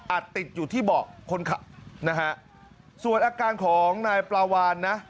ติดอยู่ที่เบาะคนขับนะฮะส่วนอาการของนายปลาวานนะ